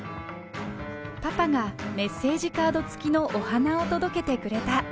パパがメッセージカード付きのお花を届けてくれた。